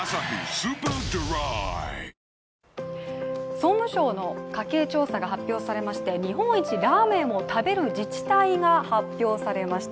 総務省の家計調査が発表されまして日本一ラーメンを食べる自治体が発表されました。